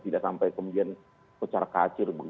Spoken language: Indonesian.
tidak sampai kemudian secara kacir